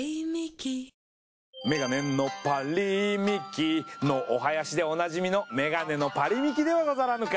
「メガネのパリミキ」のお囃子でおなじみのメガネのパリミキではござらぬか。